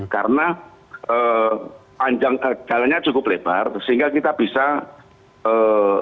karena jalannya cukup lebar sehingga kita bisa mengejar